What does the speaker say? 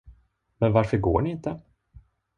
Men varför går ni inte?